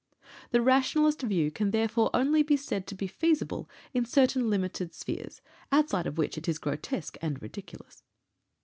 The rationalist view can therefore only be said to be feasible in certain limited spheres, outside of which it is grotesque and ridiculous.